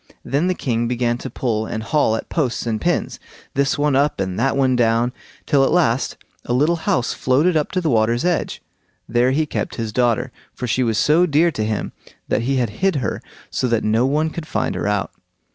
Then the king began to pull and haul at posts and pins, this one up and that one down, till at last a little house floated up to the water's edge. There he kept his daughter, for she was so dear to him that he had hid her, so that no one could find her out.